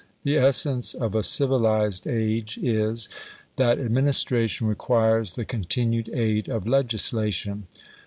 The essence of a civilised age is, that administration requires the continued aid of legislation.